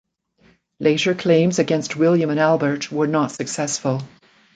Later claims against William and Albert were not successful.